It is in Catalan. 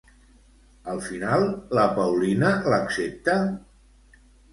Al final, la Paulina l'accepta?